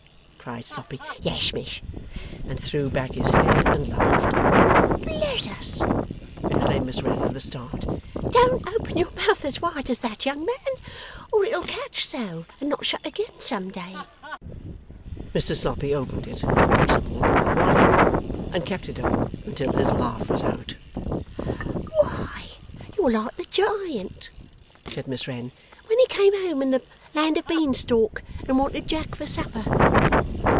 cried Sloppy. 'Yes, Miss.' And threw back his head and laughed. 'Bless us!' exclaimed Miss Wren, with a start. 'Don't open your mouth as wide as that, young man, or it'll catch so, and not shut again some day.' Mr Sloppy opened it, if possible, wider, and kept it open until his laugh was out. 'Why, you're like the giant,' said Miss Wren, 'when he came home in the land of Beanstalk, and wanted Jack for supper.